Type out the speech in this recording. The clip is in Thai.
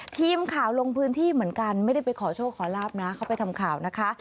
ทีมข่าวลงพื้นที่เหมือนกันไม่ได้ไปขอโชคขอลาบนะเขาไปทำข่าวนะคะ